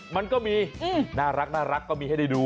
มันก็มีน่ารักก็มีให้ได้ดู